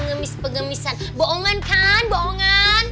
kamu pengemis pengemisan boongan kan boongan